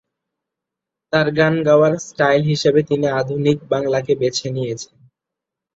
তার গান গাওয়ার স্টাইল হিসেবে তিনি আধুনিক বাংলাকে বেছে নিয়েছেন।